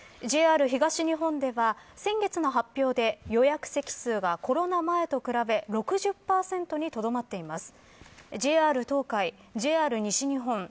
ＪＲ東日本では先月の発表で、予約席数がコロナ前と比べて６０％にとどまっています。